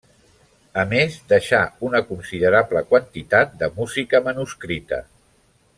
A més deixà, una considerable quantitat de música manuscrita.